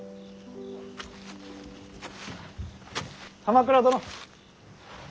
鎌倉殿。